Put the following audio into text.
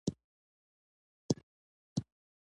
د عیاشۍ دام د کرنې د پیدایښت پروسه ډېره تدریجي وه.